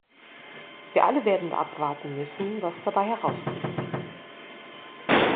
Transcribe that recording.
Wir alle werden abwarten müssen, was dabei herauskommt.